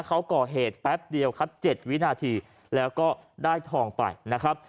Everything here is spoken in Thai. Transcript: เขาก่อเหตุแป๊บเดียวครับ๗วินาทีแล้วก็ได้ทองไปนะครับ